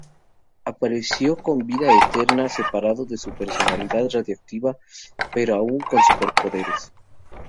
Apareció con vida eterna separado de su personalidad radioactiva, pero aún con súper poderes.